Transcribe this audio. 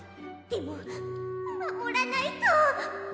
でもまもらないと！